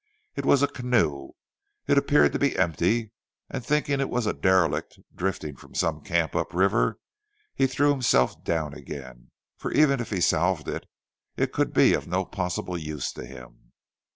It was a canoe. It appeared to be empty, and thinking it was a derelict drifting from some camp up river, he threw himself down again, for even if he salved it, it could be of no possible use to him.